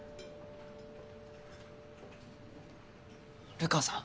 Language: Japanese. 流川さん！